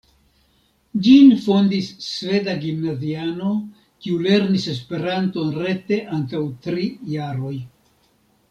Ĝin fondis sveda gimnaziano, kiu lernis Esperanton rete antaŭ tri jaroj.